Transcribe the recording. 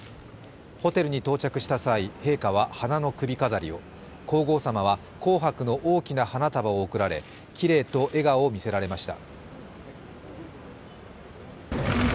ホテルに到着した際、陛下は花の首飾りを皇后さまは紅白の大きな花束を贈られきれいと笑顔をみせられました。